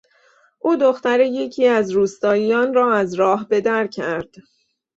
او دختر یکی از روستاییان را از راه به در کرد.